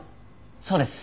そうです。